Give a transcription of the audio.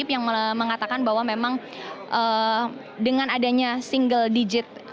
yang mengatakan bahwa memang dengan adanya single digit